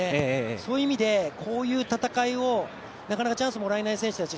そういう意味で、こういう戦いをなかなかチャンスもらえない選手たち